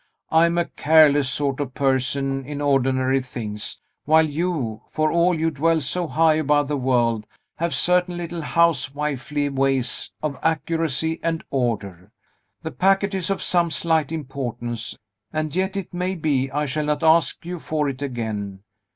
"I am a careless sort of person in ordinary things; while you, for all you dwell so high above the world, have certain little housewifely ways of accuracy and order. The packet is of some slight importance; and yet, it may be, I shall not ask you for it again.